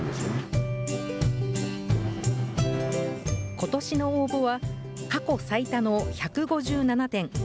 ことしの応募は、過去最多の１５７点。